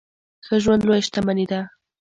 ښه ژوند لويه شتمني ده.